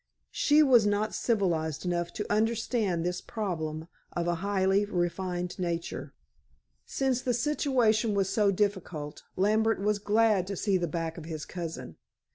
She was not civilized enough to understand this problem of a highly refined nature. Since the situation was so difficult, Lambert was glad to see the back of his cousin.